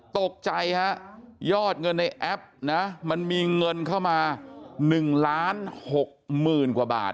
ตกใจฮะยอดเงินในแอปนะมันมีเงินเข้ามา๑ล้าน๖๐๐๐กว่าบาท